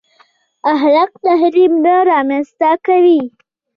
خلاق تخریب نه رامنځته کوي.